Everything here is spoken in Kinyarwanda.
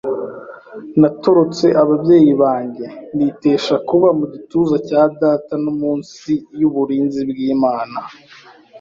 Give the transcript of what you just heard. natorotse ababyeyi banjye, nitesha kuba mu gituza cya data no munsi y’uburinzi bw’Imana.